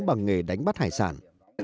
bằng nghề đánh bắt hải sản